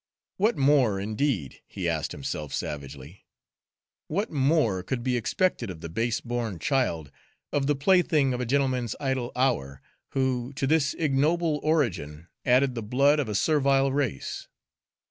What more, indeed, he asked himself savagely, what more could be expected of the base born child of the plaything of a gentleman's idle hour, who to this ignoble origin added the blood of a servile race?